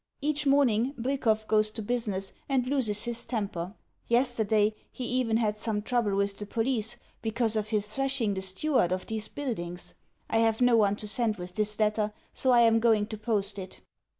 Each morning Bwikov goes to business, and loses his temper. Yesterday he even had some trouble with the police because of his thrashing the steward of these buildings... I have no one to send with this letter so I am going to post it...